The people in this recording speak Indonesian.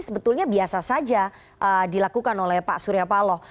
sebetulnya biasa saja dilakukan oleh pak surya paloh